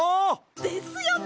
ですよね！